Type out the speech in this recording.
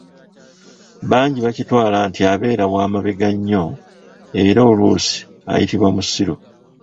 Bangi bakitwala nti abeera wa "mabega nnyo" era oluusi ayitibwa "musilu".